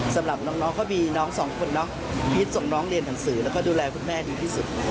สำหรับน้องก็มีน้องสองคนเนาะที่ส่งน้องเรียนหนังสือแล้วก็ดูแลคุณแม่ดีที่สุด